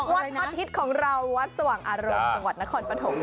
วัดฮอตฮิตของเราวัดสว่างอารมณ์จังหวัดนครปฐม